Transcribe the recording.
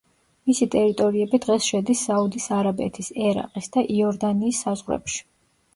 მისი ტერიტორიები დღეს შედის საუდის არაბეთის, ერაყის და იორდანიის საზღვრებში.